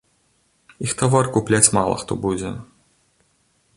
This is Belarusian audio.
Іх тавар купляць мала хто будзе.